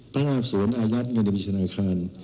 เพราะซึ้งอายัดเงินได้ต่อไป